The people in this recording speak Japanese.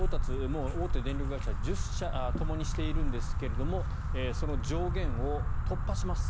もう大手電力会社１０社ともにしているんですけれどもその上限を突破します。